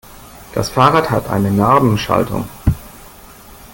Das Fahrrad hat eine Narbenschaltung.